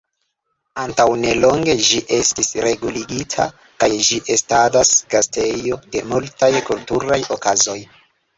Antaŭ nelonge ĝi estis reguligita kaj ĝi estadas gastejo de multaj kulturaj okazoj.